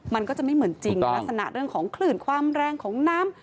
มันก็จะไม่เหมือนจริงลักษณะเรื่องของคลื่นความแรงของน้ำ